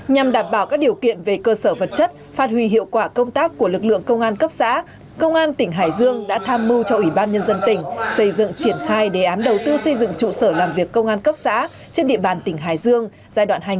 nhằm đảm bảo các điều kiện về cơ sở vật chất phát huy hiệu quả công tác của lực lượng công an cấp xã công an tỉnh hải dương đã tham mưu cho ủy ban nhân dân tỉnh xây dựng triển khai đề án đầu tư xây dựng trụ sở làm việc công an cấp xã trên địa bàn tỉnh hải dương giai đoạn hai nghìn một mươi sáu hai nghìn hai mươi năm